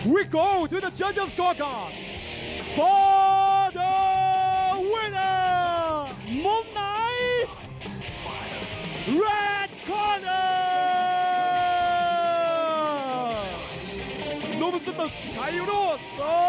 วิสุทธิ์พักแล้วไปลุ้นนี้นะครับ